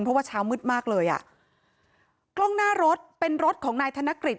เพราะว่าเช้ามืดมากเลยอ่ะกล้องหน้ารถเป็นรถของนายธนกฤษ